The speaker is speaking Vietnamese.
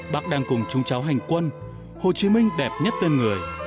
bác đang cùng chúng cháu hành quân hồ chí minh đẹp nhất tên người